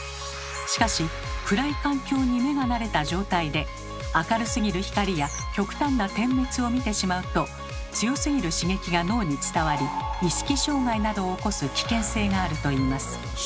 しかし暗い環境に目が慣れた状態で明るすぎる光や極端な点滅を見てしまうと強すぎる刺激が脳に伝わり意識障害などを起こす危険性があるといいます。